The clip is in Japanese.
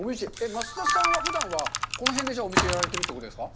増田さんは、ふだんはこの辺でお店をやられているということですか。